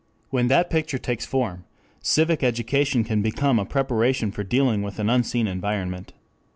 When that picture takes form, civic education can become a preparation for dealing with an unseen environment.